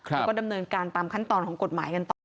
แล้วก็ดำเนินการตามขั้นตอนของกฎหมายกันต่อ